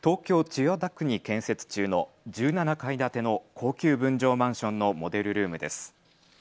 千代田区に建設中の１７階建ての高級分譲マンションのモデルルームです。